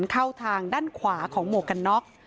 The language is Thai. เข้าทางด้านขวาของหมวกกันน็อก